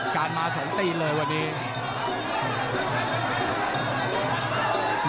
การมา๒ตีนเลยวันนี้